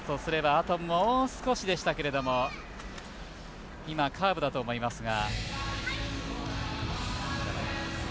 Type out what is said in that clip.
あともう少しでしたけどカーブだと思いますが。